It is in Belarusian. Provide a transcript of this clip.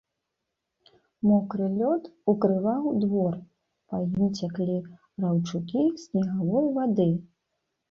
Мокры лёд укрываў двор, па ім цяклі раўчукі снегавой вады.